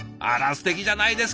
すてきじゃないですか。